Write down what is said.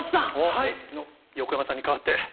はい横山さんに代わって。